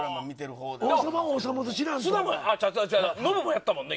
ノブもやったもんね